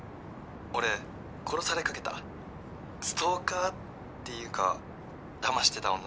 「俺殺されかけたストーカーっていうかだましてた女に」